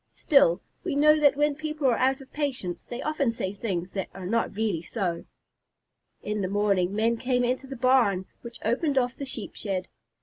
Still, we know that when people are out of patience they often say things that are not really so. In the morning, men came into the barn, which opened off the Sheep shed.